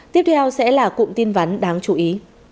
tiếp theo sẽ là cụm tin vắn đáng chú ý